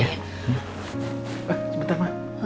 eh sebentar mak